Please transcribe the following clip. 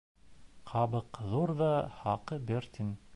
Ҡабыҡ ҙур ҙа, хаҡы бер тин.